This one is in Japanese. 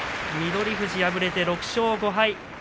翠富士、敗れて６勝５敗。